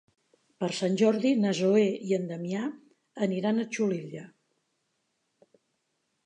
Per Sant Jordi na Zoè i en Damià aniran a Xulilla.